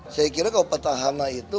saya kira kalau petahana itu